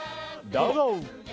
どうぞ！